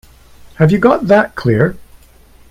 Have you got that clear?